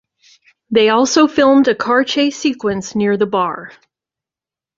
They also filmed a car chase sequence near the bar.